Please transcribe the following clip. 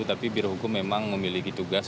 tapi birohukum memang memiliki tugas